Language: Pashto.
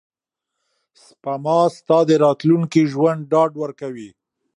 سپما ستا د راتلونکي ژوند ډاډ ورکوي.